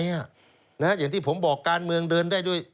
อย่างที่ผมบอกการเมืองเดินได้ด้วย